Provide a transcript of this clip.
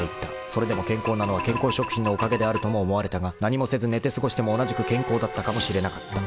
それでも健康なのは健康食品のおかげであるとも思われたが何もせず寝て過ごしても同じく健康だったかもしれなかった］